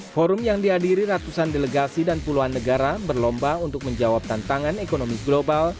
forum yang dihadiri ratusan delegasi dan puluhan negara berlomba untuk menjawab tantangan ekonomi global